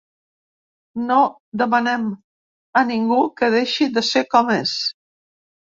No demanem a ningú que deixi de ser com és.